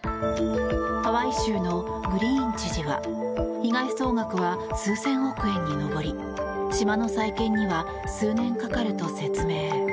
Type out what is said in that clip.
ハワイ州のグリーン知事は被害総額は数千億円に上り島の再建には数年かかると説明。